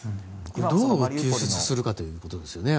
どう救出するかということですよね。